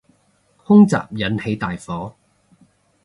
空襲引起大火